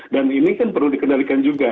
dan ini kan perlu dikendalikan juga